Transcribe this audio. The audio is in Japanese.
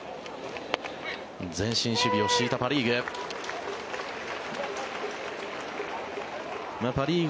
前進守備を敷いたパ・リーグ。